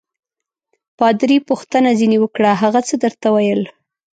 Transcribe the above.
پادري پوښتنه ځینې وکړه: هغه څه درته ویل؟